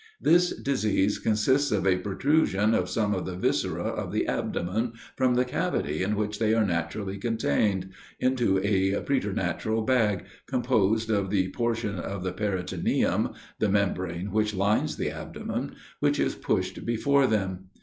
This disease consists of a protrusion of some of the viscera of the abdomen, from the cavity in which they are naturally contained, into a preternatural bag, composed of the portion of the peritoneum (the membrane which lines the abdomen) which is pushed before them.